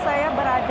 selamat malam aldi